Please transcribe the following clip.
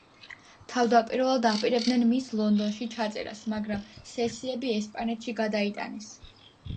თავდაპირველად აპირებდნენ მის ლონდონში ჩაწერას, მაგრამ სესიები ესპანეთში გადაიტანეს.